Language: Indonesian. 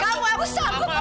kamu harus sanggup mama